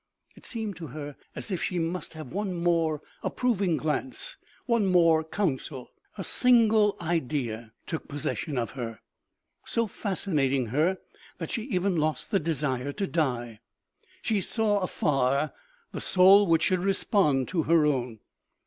It seemed to her as if she must have one more approving glance, one more counsel. A single idea took possession of her, so fascinating her that she even lost the desire to die. She saw afar the soul which should respond to her own.